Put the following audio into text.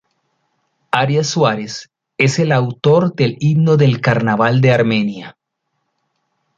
Arias Suárez es el autor del himno del carnaval de Armenia.